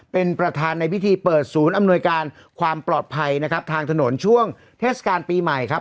เป็นประธานในพิธีเปิดศูนย์อำนวยการความปลอดภัยนะครับทางถนนช่วงเทศกาลปีใหม่ครับ